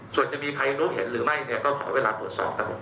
ส่วนจะมีใครรู้เห็นหรือไม่เนี่ยก็ขอเวลาตรวจสอบกัน